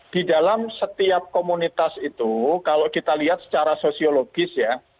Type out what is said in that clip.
di dalam setiap komunitas itu kalau kita lihat secara sosiologis ya